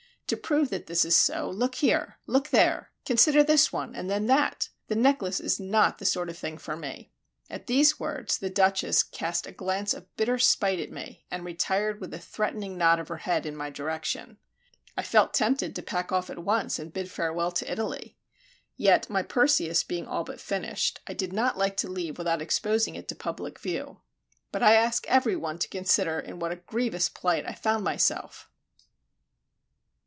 To prove that this is so, look here! look there! consider this one and then that. The necklace is not the sort of thing for me." At these words the Duchess cast a glance of bitter spite at me, and retired with a threatening nod of her head in my direction. I felt tempted to pack off at once and bid farewell to Italy. Yet my Perseus being all but finished, I did not like to leave without exposing it to public view. But I ask every one to consider in what a grievous plight I found myself!